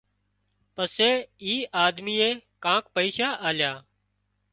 پسي اي آۮميئي ڪانڪ پئيشا آليا